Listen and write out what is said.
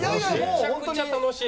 めちゃくちゃ楽しい。